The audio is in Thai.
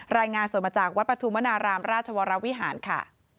รายงานสดมาจากวัดปฐุมนารามราชวรวิหารค่ะ